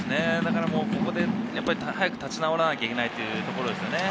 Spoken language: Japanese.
ここで早く立ち直らなければいけないということですよね。